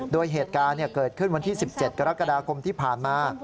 โดยเหตุการณ์เกิดขึ้นวันที่๑๗กรกฎาคมที่ผ่านมา